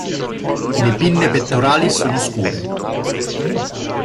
Le pinne pettorali sono scure.